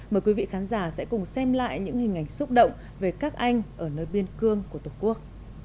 mời quý vị khán giả sẽ cùng xem lại những hình ảnh xúc động về các anh ở nơi biên cương của tổ quốc